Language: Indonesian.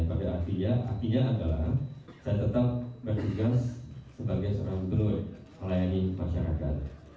pada akhirnya akhirnya adalah saya tetap berhutu sebagai seorang penulis melayani masyarakat